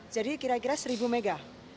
jadi kira kira seribu mega